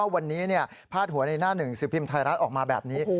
วันนี้พาดหัวในหน้าหนึ่งสิบพิมพ์ไทยรัฐออกมาแบบนี้